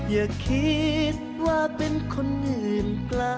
อย่าคิดว่าเป็นคนอื่นไกล